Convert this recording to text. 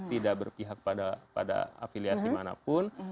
tidak berpihak pada afiliasi manapun